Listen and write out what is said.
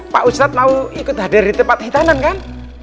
pak ustadz mau ikut hadir di tempat hitanan kan